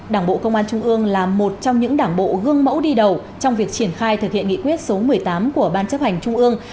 đảng bộ công an trung ương là một trong những đảng bộ gương mẫu đi đầu trong việc triển khai thực hiện nghị quyết số một mươi tám của ban chấp hành trung ương